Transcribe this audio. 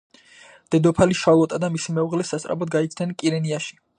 დედოფალი შარლოტა და მისი მეუღლე სასწრაფოდ გაიქცნენ კირენიაში.